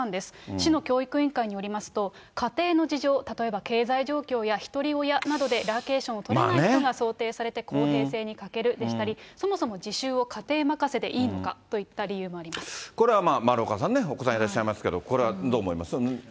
市の教育委員会によりますと、家庭の事情、例えば経済状況やひとり親などでラーケーションを取れない人が想定されて、公平性に欠けるでしたり、そもそも自習を家庭任せでいいのかといこれは丸岡さんね、お子さんいらっしゃいますけど、これはどう思います？